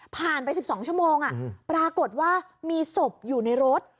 ไป๑๒ชั่วโมงปรากฏว่ามีศพอยู่ในรถ